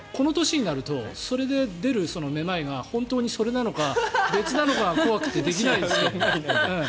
この年になるとそれで出るめまいが本当にそれなのか、別なのかが怖くてできないですけど。